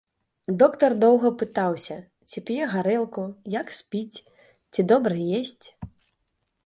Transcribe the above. Доктар доўга пытаўся, ці п'е гарэлку, як спіць, ці добра есць.